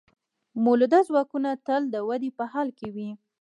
مؤلده ځواکونه تل د ودې په حال کې وي.